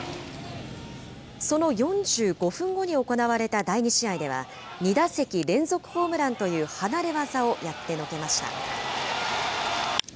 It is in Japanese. その４５分後に行われた第２試合では、２打席連続ホームランという離れ業をやってのけました。